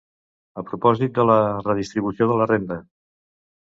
A propòsit de la redistribució de la renda.